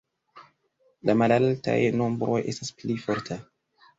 La malaltaj nombroj estas pli forta.